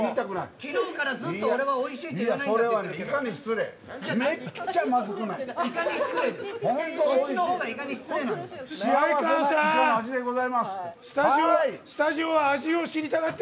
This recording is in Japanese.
昨日からずっと俺はおいしいって言わないんだって。